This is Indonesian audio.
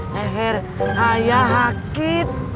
leher ayah hakit